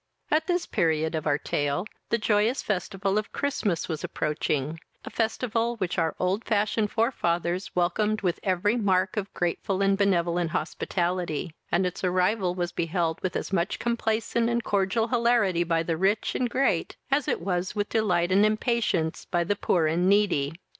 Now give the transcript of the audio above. At this period of our tale, the joyous festival of Christmas was approaching a festival which our old fashioned forefathers welcomed with every mark of grateful and benevolent hospitality; and its arrival was beheld with as much complacent and cordial hilarity by the rich and great, as it was with delight and impatience by the poor and needy.